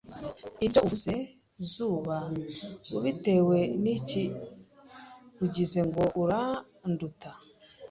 Ibyo uvuze Zuba ubitewe n'iki Ugize ngo uranduta